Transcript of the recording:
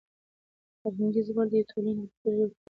فرهنګي زوال د یوې ټولنې د تدریجي ورکېدو لومړنی پړاو دی.